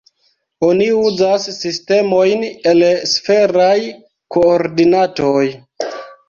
Oni uzas sistemojn el sferaj koordinatoj.